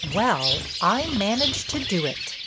"Well, I managed to do it!"